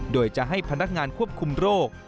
โดยจะให้พนักงานควบคุมโรค